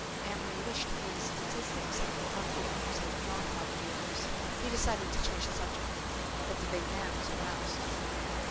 Amory wished he knew the statistics of property owners and non property owners; he decided to change the subject. But the big man was aroused.